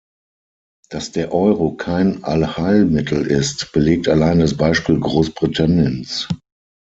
Dass der Euro kein Allheilmittel ist, belegt allein das Beispiel Großbritanniens.